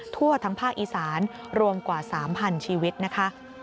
ทั่วทั้งภาคอีสานรวมกว่า๓๐๐๐ชีวิตนะคะ